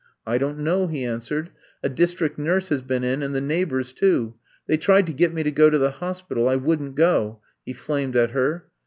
^^I don't know,'' he answered. A dis trict nnrse has been in and the neighbors, too. They tried to get me to go to the hos pital. ... I wouldn't gol'^ he flamed at her.